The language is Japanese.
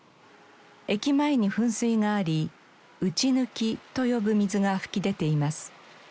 駅前に噴水がありうちぬきと呼ぶ水が噴き出ています。